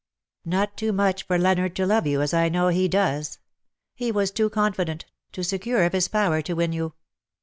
^^^' Not too much for Leonard to love you, as I know he does. He was too confident — too secure of his power to win you.